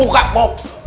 oh mau buka